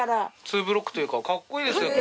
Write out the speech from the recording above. ツーブロックというかかっこいいです。